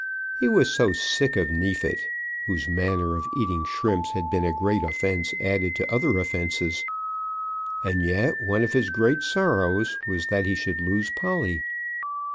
He was so sick of Neefit, whose manner of eating shrimps had been a great offence added to other offences! And yet one of his great sorrows was that he should lose Polly.